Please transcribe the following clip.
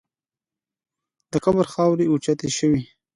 د قبر خاورې اوچتې شوې.